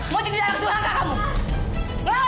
mau jadi anak suhankah kamu